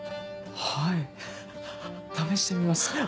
はい試してみます